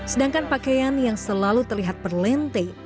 sedangkan pakaian yang selalu terlihat perlente